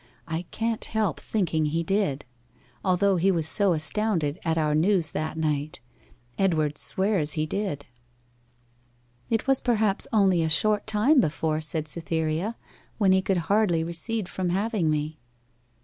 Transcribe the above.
I can't help thinking he did, although he was so astounded at our news that night. Edward swears he did.' 'It was perhaps only a short time before,' said Cytherea; 'when he could hardly recede from having me.